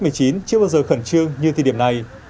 covid một mươi chín chưa bao giờ khẩn trương như thị điểm này